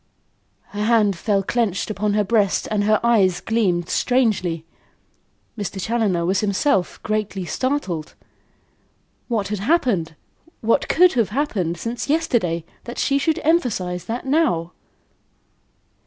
Her hand fell clenched on her breast and her eyes gleamed strangely. Mr. Challoner was himself greatly startled. What had happened what could have happened since yesterday that she should emphasise that now?